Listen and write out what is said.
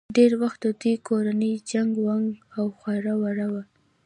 ډېر وخت د دوي کورنۍ چنګ ونګ او خوره وره وه